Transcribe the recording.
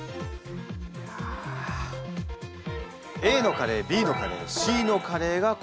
ＡのカレーＢのカレーＣのカレーがここにあります。